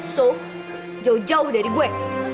so jauh jauh dari gue